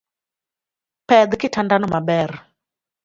Pedh kitanda no maber